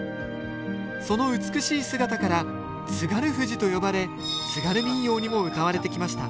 その美しい姿から「津軽富士」と呼ばれ津軽民謡にもうたわれてきました